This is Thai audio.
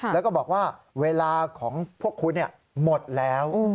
แล้วก็บอกว่าเวลาของพวกคุณหมดแล้ว